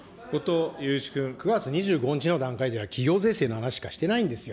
９月２５日の段階では、企業税制の話しかしてないんですよ。